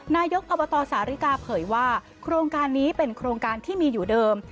นายกอบตสาริกาเผยว่าโครงการนี้เป็นโครงการที่มีอยู่เดิม